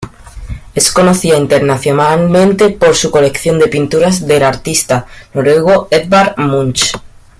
Es conocida internacionalmente por su colección de pinturas del artista noruego Edvard Munch.